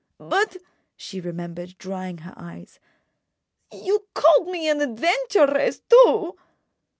"But," she remembered, drying her eyes, "you called me an adventuress, too!"